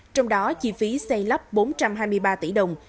trong đó chi phí xây lắp bốn trăm hai mươi ba tỷ đồng